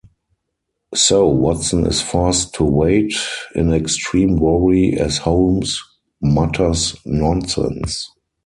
So, Watson is forced to wait, in extreme worry as Holmes mutters nonsense.